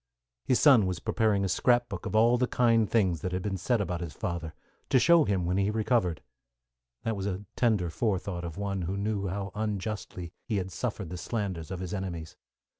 His son was preparing a scrap book of all the kind things that had been said about his father, to show him when he recovered. That was a tender forethought of one who knew how unjustly he had suffered the slanders of his enemies.